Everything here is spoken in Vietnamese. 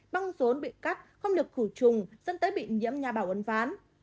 băng rốn bị cắt không được khử trùng dẫn tới bị nhiễm nhà bảo uấn ván